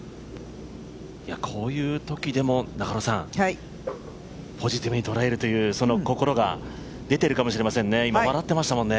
こういうときでもポジティブに捉えるという心が出てるかもしれませんね。